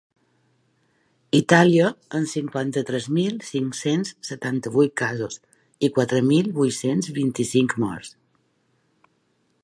Itàlia, amb cinquanta-tres mil cinc-cents setanta-vuit casos i quatre mil vuit-cents vint-i-cinc morts.